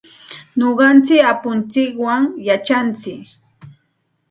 Nuqanchik apuntsikwan yachantsik.